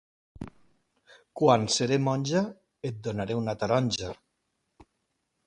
Quan seré monja et donaré una taronja.